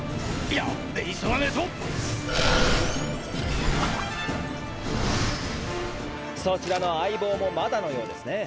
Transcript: やっべ急がねえと！そちらの相棒もまだのようですね。